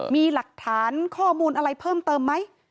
มีหลักฐานข้อมูลอะไรเพิ่มเติมไหม